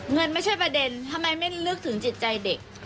เงินไม่ใช่ประเด็นทำไมไม่นึกถึงจิตใจเด็ก